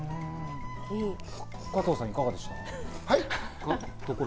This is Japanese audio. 加藤さん、いかがでしょう？